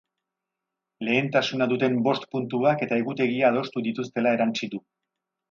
Lehentasuna duten bost puntuak eta egutegia adostu dituztela erantsi du.